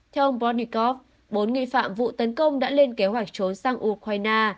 theo ông protnikov bốn nghị phạm vụ tấn công đã lên kế hoạch trốn sang ukraine